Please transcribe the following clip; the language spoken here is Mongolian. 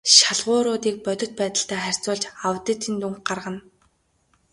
Шалгууруудыг бодит байдалтай харьцуулж аудитын дүнг гаргана.